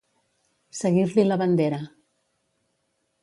Seguir-li la bandera.